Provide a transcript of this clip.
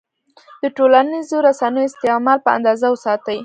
د ټولنیزو رسنیو استعمال په اندازه وساتئ.